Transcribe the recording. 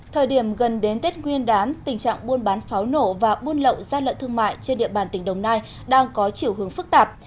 thời điểm gần đến tết nguyên đán tình trạng buôn bán pháo nổ và buôn lậu gian lận thương mại trên địa bàn tỉnh đồng nai đang có chiều hướng phức tạp